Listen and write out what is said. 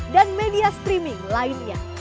dan media streaming lainnya